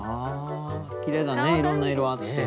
きれいだねいろんな色あって。